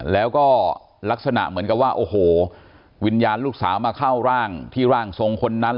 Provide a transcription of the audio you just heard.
แล้วก็ลักษณะเหมือนกับว่าโอ้โหวิญญาณลูกสาวมาเข้าร่างที่ร่างทรงคนนั้น